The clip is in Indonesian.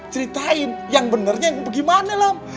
ceritain yang benernya gimana lam